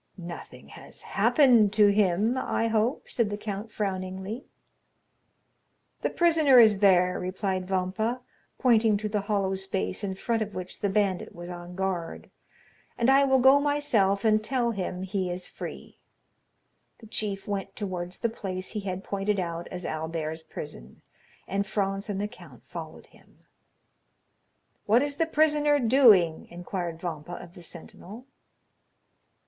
"Nothing has happened to him, I hope," said the count frowningly. "The prisoner is there," replied Vampa, pointing to the hollow space in front of which the bandit was on guard, "and I will go myself and tell him he is free." The chief went towards the place he had pointed out as Albert's prison, and Franz and the count followed him. "What is the prisoner doing?" inquired Vampa of the sentinel.